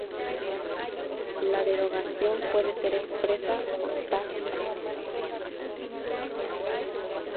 La derogación puede ser expresa o tácita.